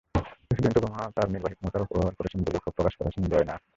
President Obama তাঁর নির্বাহী ক্ষমতার অপব্যবহার করছেন বলেও ক্ষোভ প্রকাশ করেছেন বয়েনার।